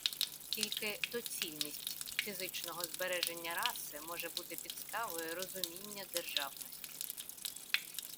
Тільки доцільність фізичного збереження раси може бути підставою розуміння державності.